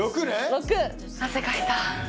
６！汗かいた。